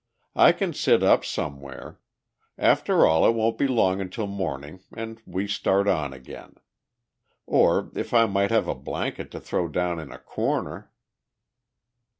"I can sit up somewhere; after all it won't be long until morning and we start on again. Or, if I might have a blanket to throw down in a corner